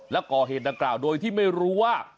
และก่อเหตุดังกล่าวโดยที่ไม่รู้ว่า